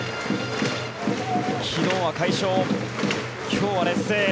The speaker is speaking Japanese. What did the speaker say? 昨日は快勝、今日は劣勢。